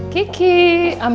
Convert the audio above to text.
kiki i'm home darling